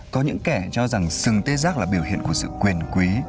có những kẻ cho rằng sừng tê giác là biểu hiện của sự quyền quý